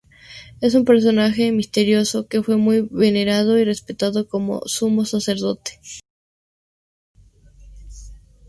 Es un personaje misterioso, que fue muy venerado y respetado como Sumo Sacerdote.